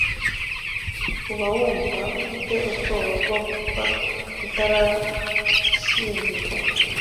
Uba wumva ufite ubwoba bwo gupfa utarashigirwa